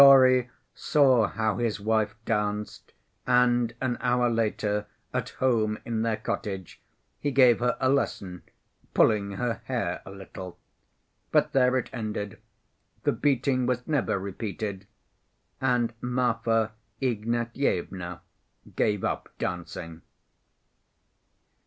Grigory saw how his wife danced, and, an hour later, at home in their cottage he gave her a lesson, pulling her hair a little. But there it ended: the beating was never repeated, and Marfa Ignatyevna gave up dancing.